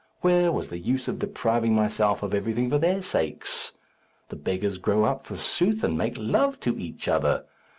Where was the use of depriving myself of everything for their sakes? The beggars grow up, forsooth, and make love to each other.